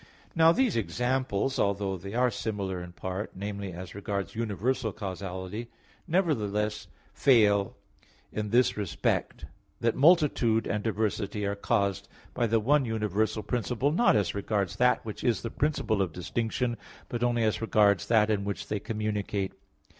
Now these examples although they are similar in part, namely, as regards universal causality, nevertheless they fail in this respect, that multitude and diversity are caused by the one universal principle, not as regards that which is the principle of distinction, but only as regards that in which they communicate.